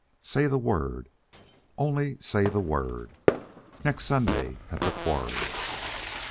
"Say the word. Only say the word. Next Sunday at the quarry..."